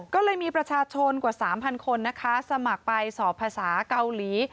ก็เลยมีประชาชนกว่า๓๐๐คนนะคะสมัครไปสอบภาษาเกาหลี